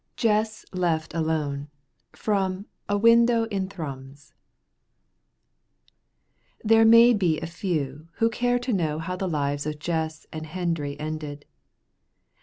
JESS LEFT ALONE From 'A Window in Thrums' There may be a few who care to know how the lives of Jess and Hendry ended.